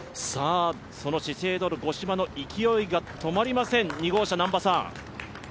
その資生堂の五島の勢いが止まりません、２号車、南波さん。